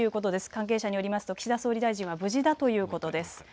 関係者によりますと岸田総理大臣は無事だということです。